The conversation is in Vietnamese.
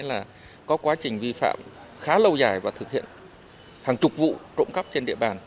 là có quá trình vi phạm khá lâu dài và thực hiện hàng chục vụ trộm cắp trên địa bàn